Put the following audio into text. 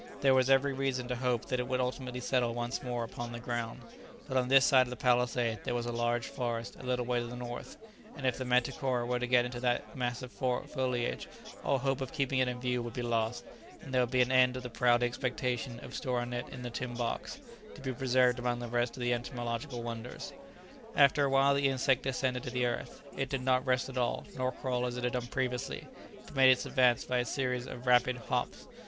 There was every reason to hope that it would ultimately settle once more upon the ground, but on this side of the palisade there was a large forest a little way to the north, and if the manticora were to get into its mass of foliage all hope of keeping it in view would be lost, and there would be an end of the proud expectation of storing it in the tin box, to be preserved among the rest of the entomological wonders. After a while the insect descended to the earth; it did not rest at all, nor crawl as it had done previously, but made its advance by a series of rapid hops.